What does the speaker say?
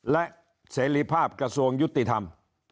และเสรีภาพกระทรวงยุติธรรม